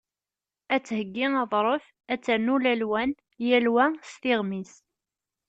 Ad theyyi aḍref, ad ternu lalwan, yal wa s tiɣmi-s.